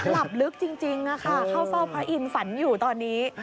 หลับลึกจริงเข้าเฝ้าพระอินทร์ฝันอยู่ตอนนี้